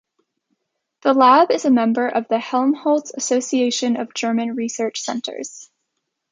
The lab is a member of the Helmholtz Association of German Research Centres.